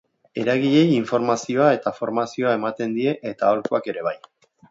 Eragileei informazioa eta formazioa ematen die eta aholkuak ere bai.